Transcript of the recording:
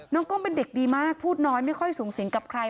กล้องเป็นเด็กดีมากพูดน้อยไม่ค่อยสูงสิงกับใคร